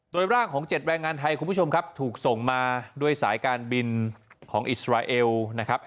โดยร่างของ๗แรงงานไทยคุณผู้ชมครับถูกส่งมาด้วยสายการบินของอิสราเอลนะครับ